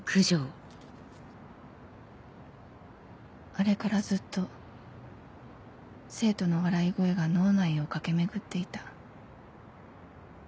あれからずっと生徒の笑い声が脳内を駆け巡っていた